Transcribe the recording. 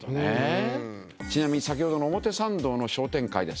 ちなみに先ほどの表参道の商店会ですね